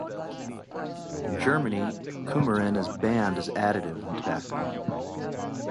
In Germany, coumarin is banned as additive in tobacco.